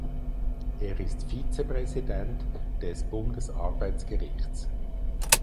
Er ist Vizepräsident des Bundesarbeitsgerichts.